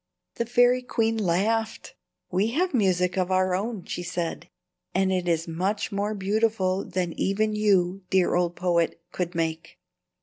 The fairy queen laughed. "We have music of our own," she said, "and it is much more beautiful than even you, dear old poet, could make."